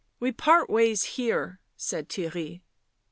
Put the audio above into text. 11 We part ways here," said Theirry.